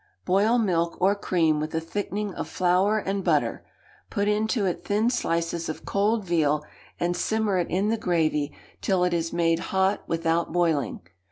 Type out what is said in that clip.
Boil milk or cream with a thickening of flour and butter; put into it thin slices of cold veal, and simmer it in the gravy till it is made hot without boiling.